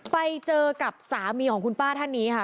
ไปเจอกับสามีของคุณป้าท่านนี้ค่ะ